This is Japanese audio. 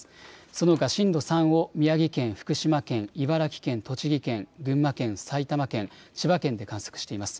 そのほか震度３を宮城県、福島県、茨城県、栃木県、群馬県、埼玉県、千葉県で観測しています。